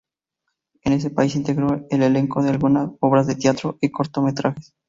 En ese país integró el elenco de algunas obras de teatro y cortometrajes.